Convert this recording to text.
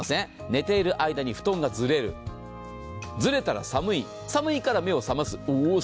寝ている間に布団がずれる、ずれたら寒い寒いから目を覚ます。